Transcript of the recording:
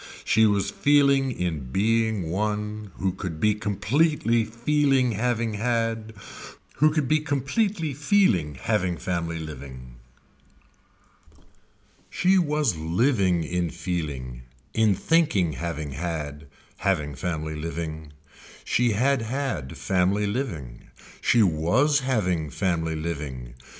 She was feeling in being one who could be completely feeling having had, who could be completely feeling having family living. She was living in feeling, in thinking having had, having family living. She had had family living. She was having family living.